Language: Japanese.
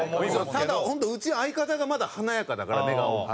ただ本当うちは相方がまだ華やかだから目が大きくて。